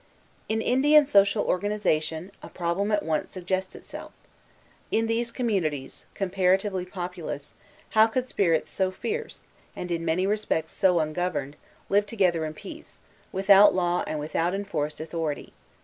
In Indian social organization, a problem at once suggests itself. In these communities, comparatively populous, how could spirits so fierce, and in many respects so ungoverned, live together in peace, without law and without enforced authority?